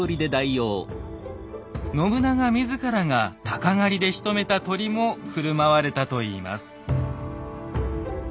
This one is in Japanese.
信長自らが鷹狩りでしとめた鳥も振る舞われたといいます。